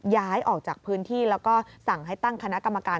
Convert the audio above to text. ย้ายออกจากพื้นที่แล้วก็สั่งให้ตั้งคณะกรรมการ